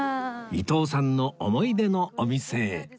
伊東さんの思い出のお店へ